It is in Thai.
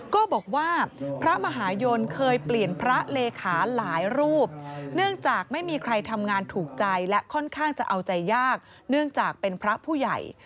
ก็บอกว่าพระมหายนเคยเปลี่ยนพระเลขาหลายรูปเนื่องจากไม่มีใครทำงานถูกใจและค่อนข้างจะเอาใจยากเนื่องจากเป็นพระผู้ใหญ่